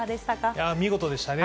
いや、見事でしたね。